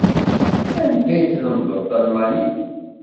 Anda i tlemdeḍ talmanit?